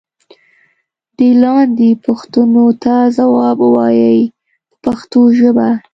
دې لاندې پوښتنو ته ځواب و وایئ په پښتو ژبه.